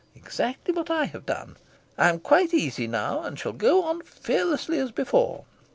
Exactly what I have done. I am quite easy now, and shall go on fearlessly as before.